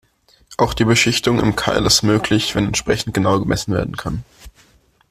Auch die Beschichtung im Keil ist möglich, wenn entsprechend genau gemessen werden kann.